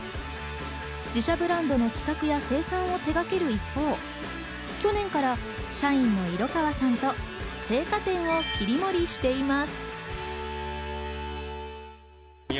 自社ブランドの企画や生産を手がける一方、去年から社員の色川さんと青果店を切り盛りしています。